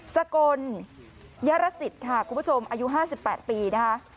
สกลยรสิตค่ะคุณผู้ชมอายุ๕๘ปีนะคะ